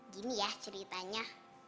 gini ya ceritanya